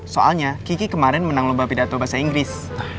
soalnya kiki kemarin menang lumba pidato bahasa inggris